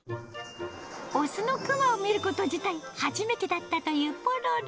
雄のクマを見ること自体初めてだったというポロロ。